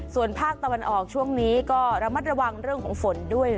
ส่วนภาคตะวันออกช่วงนี้ก็ระมัดระวังเรื่องของฝนด้วย